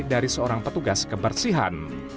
dari seorang petugas kebersihan